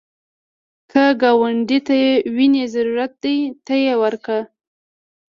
که ګاونډي ته وینې ضرورت دی، ته یې ورکړه